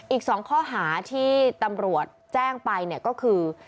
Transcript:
อีก๒ข้อหาที่ตำรวจแจ้งไปเนี่ยก็คือ